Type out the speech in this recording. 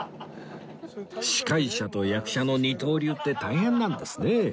司会者と役者の二刀流って大変なんですね